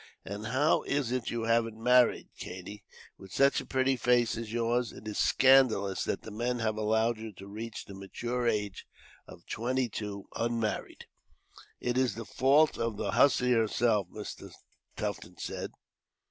"And how is it you haven't married, Katie? With such a pretty face as yours, it is scandalous that the men have allowed you to reach the mature age of twenty two, unmarried." "It is the fault of the hussy herself," Mr. Tufton said.